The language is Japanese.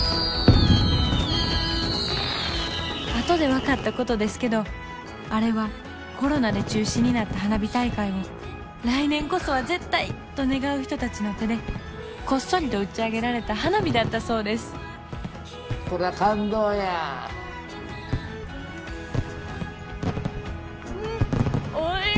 後で分かったことですけどあれはコロナで中止になった花火大会を来年こそは絶対！と願う人たちの手でこっそりと打ち上げられた花火だったそうですこら感動やあ！